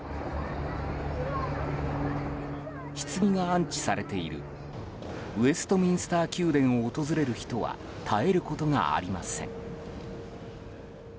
ひつぎが安置されているウェストミンスター宮殿を訪れる人は絶えることがありません。